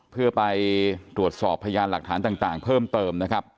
เพื่อไปตรวจสอบพยานหลักฐานต่างเพิ่มเติมนะครับ